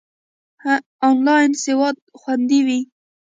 آنلاین سودا خوندی وی؟